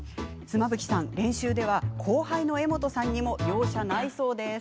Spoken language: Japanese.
妻夫木さん、練習では後輩の柄本さんにも容赦ないそうです。